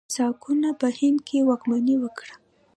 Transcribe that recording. ساکانو په هند کې واکمني وکړه.